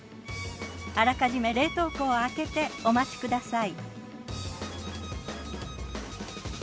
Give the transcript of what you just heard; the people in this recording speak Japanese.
あらかじめ冷凍庫を空けてお待ちください。